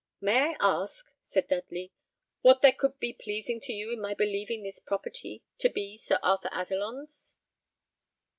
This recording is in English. "May I ask," said Dudley, "what there could be pleasing to you in my believing this property to be Sir Arthur Adelon's?"